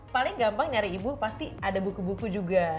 paling gampang nyari ibu pasti ada buku buku juga